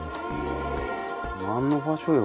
何の場所よ